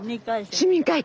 市民会館？